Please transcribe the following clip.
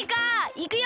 いくよ！